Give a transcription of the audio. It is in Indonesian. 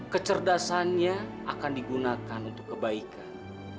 kecerdasannya akan digunakan untuk kebaikan